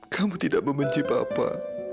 kamu tidak membenci papa